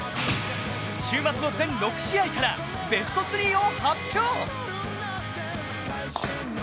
週末の全６試合からベスト３を発表。